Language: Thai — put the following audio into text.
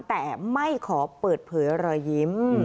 แต่ไม่ขอเปิดเผยรอยยิ้ม